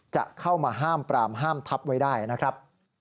จะเข้ามาห้ามปรามห้ามทับไว้ได้นะครับ